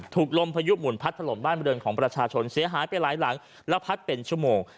ลมพายุหมุนพัดถล่มบ้านบริเวณของประชาชนเสียหายไปหลายหลังแล้วพัดเป็นชั่วโมง